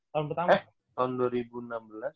tahun pertama tahun dua ribu enam belas